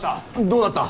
どうだった！？